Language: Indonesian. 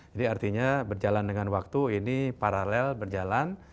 jadi artinya berjalan dengan waktu ini paralel berjalan